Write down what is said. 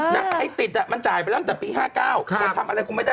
นักไพ้ติดมันจ่ายไปตั้งแต่ปี๑๙๕๙ก็ทำอะไรก็ไม่ได้